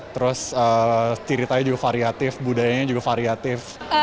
terus ceritanya juga variatif budayanya juga variatif